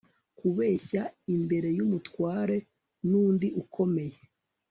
kubeshya, imbere y'umutware n'undi ukomeye